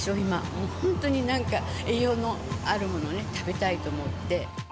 もう本当になんか栄養のあるものね、食べたいと思って。